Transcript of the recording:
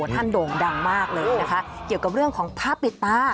โด่งดังมากเลยนะคะเกี่ยวกับเรื่องของผ้าปิดตา